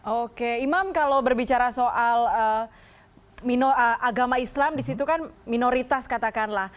oke imam kalau berbicara soal agama islam di situ kan minoritas katakanlah